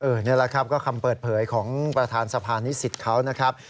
นี่แหละครับก็คำเปิดเผยของประธานสภานิสิตเขานะครับ